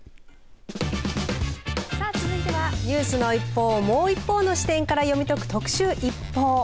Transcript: さあ続いてはニュースの一報をもう一方の視点から読み解く特集ＩＰＰＯＵ。